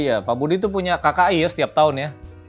iya pak budi itu punya kki ya setiap tahun ya